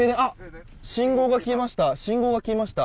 信号が消えました。